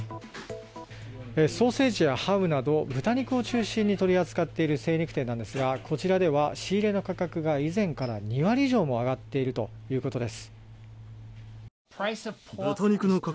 ソーセージやハムなど豚肉を中心に取り扱っている精肉店なんですがこちらでは仕入れの価格が以前から２割以上も上がっているということです。